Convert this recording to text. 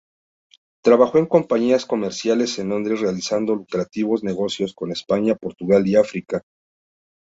Trabajó en compañías comerciales en Londres realizando lucrativos negocios con España, Portugal y África.